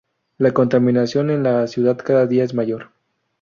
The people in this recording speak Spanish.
La contaminación en la ciudad cada día es mayor.